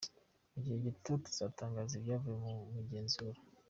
Mu gihe gito tuzatangaza ibyavuye mu igenzura.”